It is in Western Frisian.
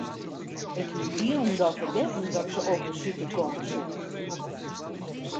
Ik hie hielendal fergetten dat se op besite komme soe.